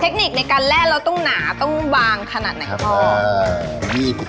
เทคนิคในการแร่เราต้องหนาต้องบางขนาดไหนพ่อ